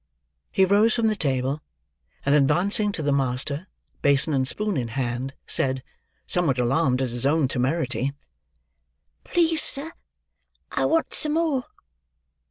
He rose from the table; and advancing to the master, basin and spoon in hand, said: somewhat alarmed at his own temerity: "Please, sir, I want some more."